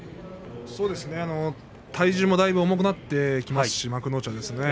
体重もだいぶ重くなってきますし幕内はですね